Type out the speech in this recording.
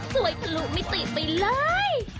สวยผลุไม่ติดไปเลย